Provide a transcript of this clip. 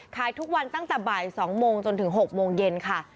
ขายทุกวันตั้งแต่บ่าย๒โมงจนถึง๖โมงเย็นค่ะ